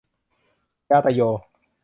ญาตะโย